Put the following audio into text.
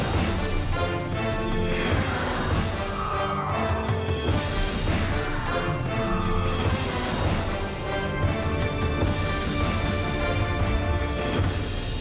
มันจะไม่เหลือกองหนุนเลยนะเพราะว่ามันจะไม่เหลือกองหนุนเลยนะ